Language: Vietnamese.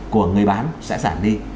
của người bán sẽ giảm đi